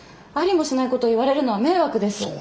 ありもしないことを言われるのは迷惑です。